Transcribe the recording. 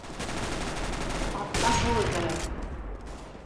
Атҡа һоло кәрәк!